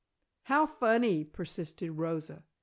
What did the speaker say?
"How funny!" persisted Rosa.